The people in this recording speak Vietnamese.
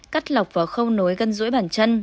cắt lọc vào không nối gân rũi bàn chân